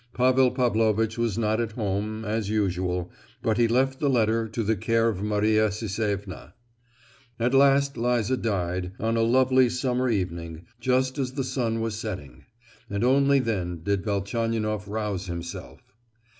Pavel Pavlovitch was not at home, as usual, but he left the letter to the care of Maria Sisevna. At last Liza died—on a lovely summer evening, just as the sun was setting; and only then did Velchaninoff rouse himself.